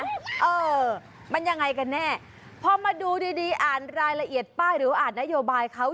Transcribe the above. เออมันยังไงกันแน่พอมาดูดีดีอ่านรายละเอียดป้ายหรืออ่านนโยบายเขา